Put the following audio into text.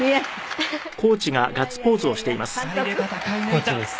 コーチです。